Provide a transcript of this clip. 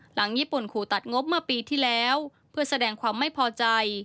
หลังญี่ปุ่นขู่ตัดงบเมื่อปีที่แล้วเพื่อแสดงความไม่พอใจ